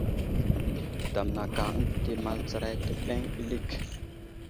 Damnaka ənta amal tsəray təbeŋ ɓəlik.